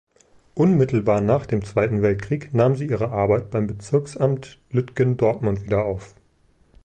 Unmittelbar nach dem Zweiten Weltkrieg nahm sie ihre Arbeit beim Bezirksamt Lütgendortmund wieder auf.